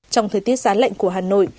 trong thời tiết gián lệnh của hà nội